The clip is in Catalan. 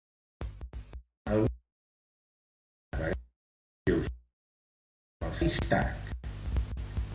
Algunes vegades signava els seus escrits amb el pseudònim d'Aristarc.